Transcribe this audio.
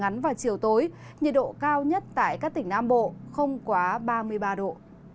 trong đêm nay và chiều tối nhiệt độ cao nhất tại các tỉnh nam bộ không quá ba mươi ba độ